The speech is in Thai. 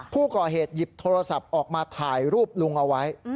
ผู้ก่อเหตุหยิบโทรศัพท์ออกมาถ่ายรูปลุงเอาไว้